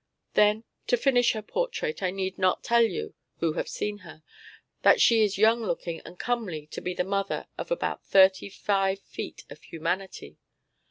Then to finish her portrait I need not tell you, who have seen her, that she is young looking and comely to be the mother of about thirty five feet of humanity.